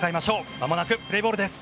まもなくプレーボールです。